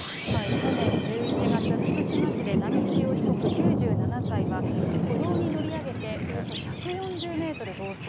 去年１１月、福島市で波汐被告９７歳は、歩道に乗り上げておよそ１４０メートル暴走。